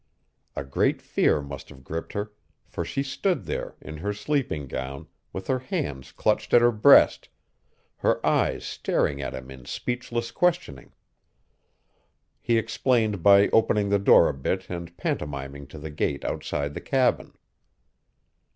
A great fear must have gripped her, for she stood there in her sleeping gown with her hands clutched at her breast, her eyes staring at him in speechless questioning. He explained by opening the door a bit and pantomiming to the gate outside the cabin.